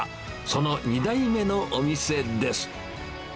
その２代目のお店です。